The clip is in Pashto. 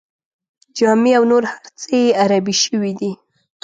جامې او نور هر څه یې عربي شوي دي.